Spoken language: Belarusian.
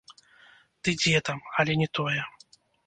Ды дзе там, але не тое.